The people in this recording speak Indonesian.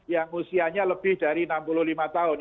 yang usianya lebih dari enam puluh lima tahun